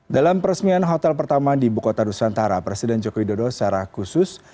dalam peresmian hotel pertama di bukota dusantara presiden joko widodo secara khusus